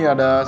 seh saya rindu